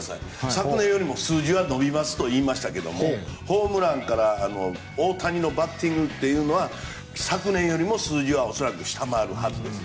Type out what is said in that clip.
昨年よりも数字は伸びますと言いましたけどホームランから大谷のバッティングは昨年よりも数字は恐らく下回るはずです。